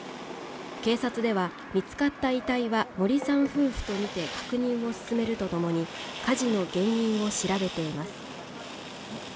警察では見つかった遺体は森さん夫婦とみて確認を進めるとともに火事の原因を調べています。